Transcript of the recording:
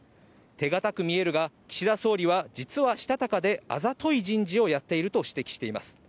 手堅く見えるが岸田総理は実はしたたかで、あざとい人事をやっていると指摘しています。